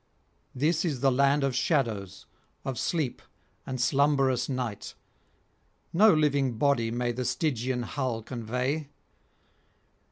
This is the land of Shadows, of Sleep, and slumberous Night; no living body may the Stygian hull convey.